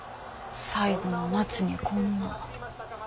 最後の夏にこんな。